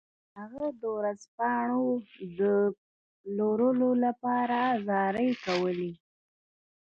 هغه د ورځپاڼو د پلورلو لپاره زارۍ کولې.